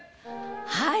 はい。